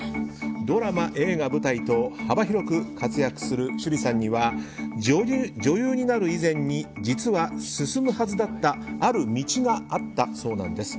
ドラマ、映画、舞台と幅広く活躍する趣里さんには女優になる以前に実は進むはずだったある道があったそうなんです。